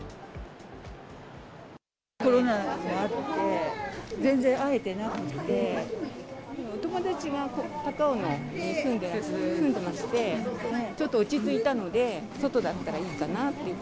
コロナもあって、お友達が高尾に住んでまして、ちょっと落ち着いたので、外だったらいいかなって。